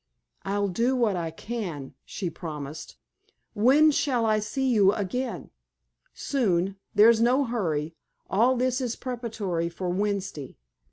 "I'll do what I can," she promised. "When shall I see you again?" "Soon. There's no hurry. All this is preparatory for Wednesday."